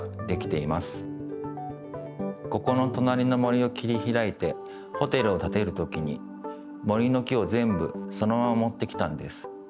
ここのとなりの森を切りひらいてホテルをたてるときに森の木をぜんぶそのままもってきたんです。